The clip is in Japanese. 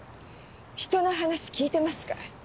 人の話聞いてますか？